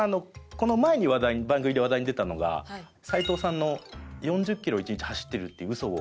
この前に話題に番組で話題に出たのが齊藤さんの４０キロ１日走ってるっていう嘘を。